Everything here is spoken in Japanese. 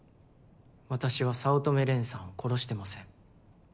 私は早乙女蓮さんを殺してません。